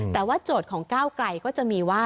แต่ว่าโจทย์ของก้าวไกลก็จะมีว่า